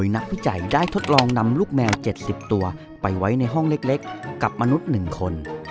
นักวิจัยได้ทดลองนำลูกแมว๗๐ตัวไปไว้ในห้องเล็กกับมนุษย์๑คน